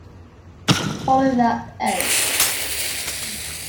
Follow That Egg!